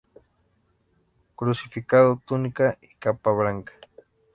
Crucificado: túnica y capa blanca.